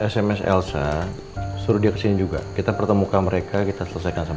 sampai jumpa di video selanjutnya